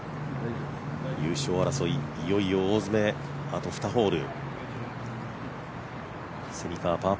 優勝争い、いよいよ大詰めあと２ホール。